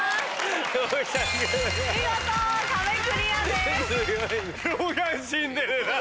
見事壁クリアです。